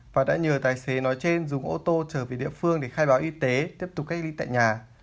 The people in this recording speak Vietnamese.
và đã nhờ tài xế nói trên dùng ô tô trở về địa phương để khai báo y tế tiếp tục cách ly tại nhà